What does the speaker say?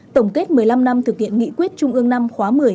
tổng kết một mươi năm năm thực hiện nghị quyết trung ương năm khóa một mươi